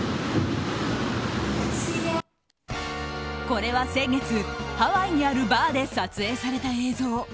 これは先月ハワイにあるバーで撮影された映像。